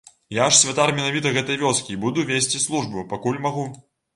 Я ж святар менавіта гэтай вёскі і буду весці службу, пакуль магу.